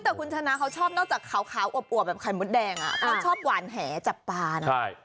แต่คุณชนะเขาชอบนอกจากขาวอวบแบบไข่มดแดงเขาชอบหวานแหจับปลานะ